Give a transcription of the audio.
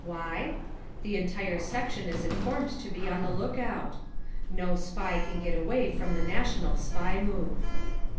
Why? The entire sec tion is informed' to be on the lookout. No SPY can get away from the NATIONAL SPY MOVE.